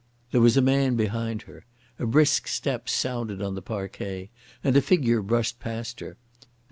There was a man behind her. A brisk step sounded on the parquet, and a figure brushed past her.